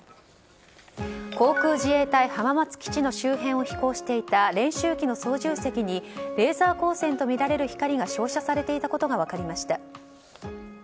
航空自衛隊浜松基地の周辺を飛行していた練習機の操縦席にレーザー光線とみられる光が照射されていたことが分かりました。